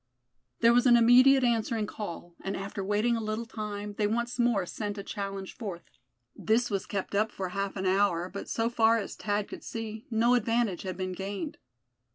There was an immediate answering call, and after waiting a little time, they once more sent a challenge forth. This was kept up for half an hour, but so far as Thad could see, no advantage had been gained.